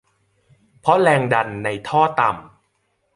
เพราะแรงดันในท่อต่ำ